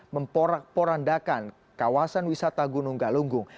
memporandakan kawasan wisata gunung galunggung